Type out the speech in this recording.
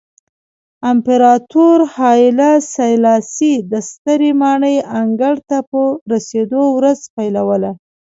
امپراتور هایله سلاسي د سترې ماڼۍ انګړ ته په رسېدو ورځ پیلوله.